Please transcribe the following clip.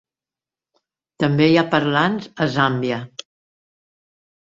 També hi ha parlants a Zàmbia.